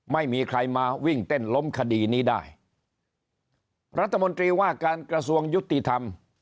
ไม่มีใครมาวิ่งเต้นล้มคดีนี้ได้รัฐมนตรีว่าการกระทรวงยุติธรรม